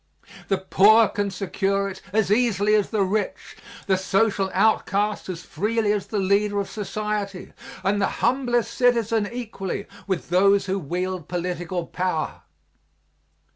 The poor can secure it as easily as the rich, the social outcasts as freely as the leader of society, and the humblest citizen equally with those who wield political power.